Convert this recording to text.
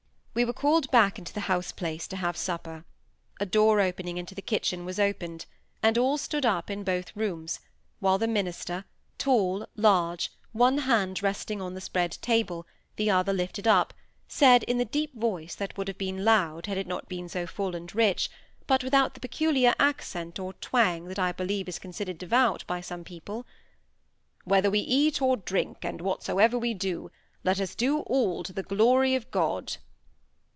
We were called back into the house place to have supper. A door opening into the kitchen was opened; and all stood up in both rooms, while the minister, tall, large, one hand resting on the spread table, the other lifted up, said, in the deep voice that would have been loud had it not been so full and rich, but without the peculiar accent or twang that I believe is considered devout by some people, "Whether we eat or drink, or whatsoever we do, let us do all to the glory of God."